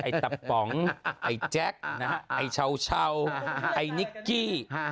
ไอ้ตะป๋องไอ้แจ๊กไอ้ชาวไอ้นิกกี้